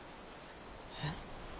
えっ？